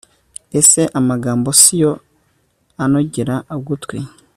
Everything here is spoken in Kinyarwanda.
ese amagambo si yo anogera ugutwi